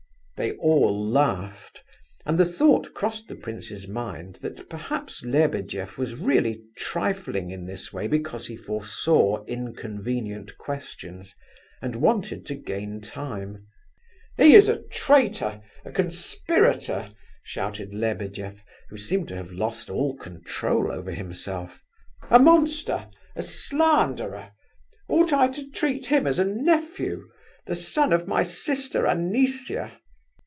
..." They all laughed, and the thought crossed the prince's mind that perhaps Lebedeff was really trifling in this way because he foresaw inconvenient questions, and wanted to gain time. "He is a traitor! a conspirator!" shouted Lebedeff, who seemed to have lost all control over himself. "A monster! a slanderer! Ought I to treat him as a nephew, the son of my sister Anisia?"